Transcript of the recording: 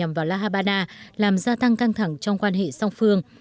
của la habana làm gia tăng căng thẳng trong quan hệ song phương